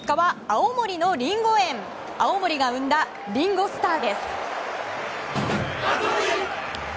青森が生んだリンゴ・スターです。